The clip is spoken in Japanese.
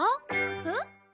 えっ？